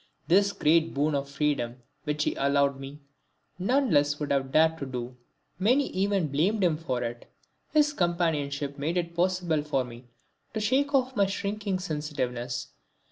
This great boon of freedom which he allowed me, none else would have dared to do; many even blamed him for it. His companionship made it possible for me to shake off my shrinking sensitiveness.